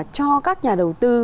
cho các nhà đầu tư